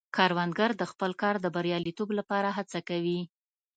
کروندګر د خپل کار د بریالیتوب لپاره هڅه کوي